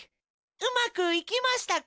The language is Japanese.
うまくいきましたか？